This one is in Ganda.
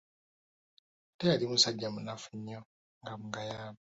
Ate yali musajja munaffu nnyo nga mugayavu.